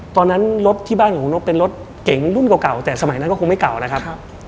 ตอนนั้นรถที่บ้านของคุณนกเป็นรถเก๋งรุ่นเก่าแต่สมัยนั้นก็คงไม่เก่านะครับ